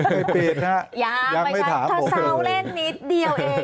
ไม่ปิดครับยังไม่ถามโอเคเลยยังไม่ครับทะเซาเล่นนิดเดียวเอง